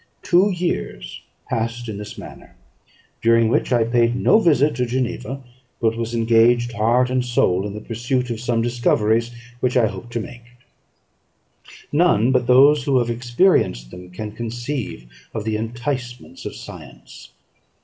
Two years passed in this manner, during which I paid no visit to Geneva, but was engaged, heart and soul, in the pursuit of some discoveries, which I hoped to make. None but those who have experienced them can conceive of the enticements of science.